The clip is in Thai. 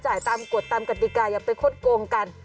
ตามกฎตามกติกาอย่าไปคดโกงกัน